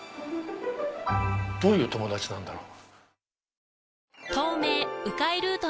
どういう友達なんだろう？